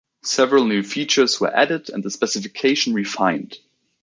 Several new features were added and the specification refined.